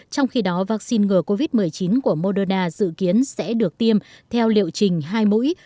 trong khi đó vaccine ngừa covid một mươi chín của moderna dự kiến sẽ được tiêm theo liệu trình hai mũi